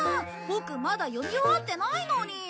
ボクまだ読み終わってないのに！